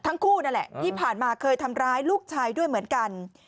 ทั้งคู่นั่นแหละที่ผ่านมาเคยทำร้ายลูกชายด้วยเหมือนกัน